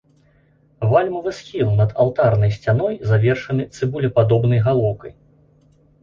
Вальмавы схіл над алтарнай сцяной завершаны цыбулепадобнай галоўкай.